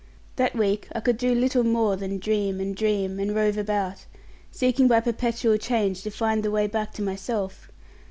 That week I could do little more than dream and dream and rove about, seeking by perpetual change to find the way back to myself.